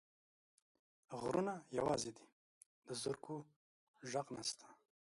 غرونه یوازي دي، د زرکو ږغ نشته